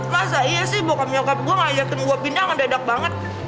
masa iya sih bokap nyokap gue ngajakin gue pindah ngededak banget